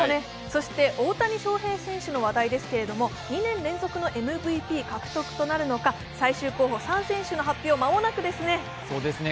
そして大谷翔平選手の話題ですけれども、２年連続のＭＶＰ獲得となるのか、最終候補３選手の発表、間もなくですね。